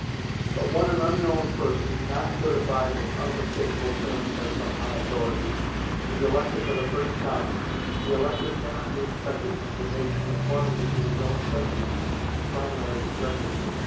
But when an unknown person, not certified in unmistakable terms by some high authority, is elected for the first time, the elector can not be expected not to make conformity to his own sentiments the primary requisite.